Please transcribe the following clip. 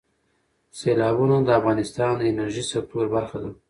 سیلابونه د افغانستان د انرژۍ سکتور برخه ده.